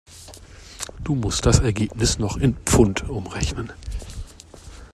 Du musst das Ergebnis noch in Pfund umrechnen.